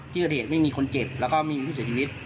ที่เกิดเหตุไม่มีคนเจ็บแล้วก็ไม่มีผู้เสียชีวิต